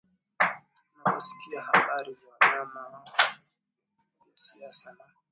na kusikia habari za vyama vya siasa na